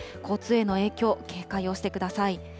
交通への影響、警戒をしてください。